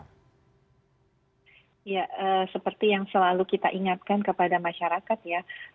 ya seperti yang selalu kita ingatkan kepada masyarakat ya